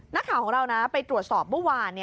นักข่าวของเรานะไปตรวจสอบเมื่อวาน